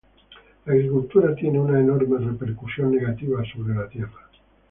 La agricultura tiene una enorme repercusión negativa sobre la Tierra.